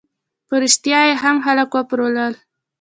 په ریشتیا یې هم خلک وپارول.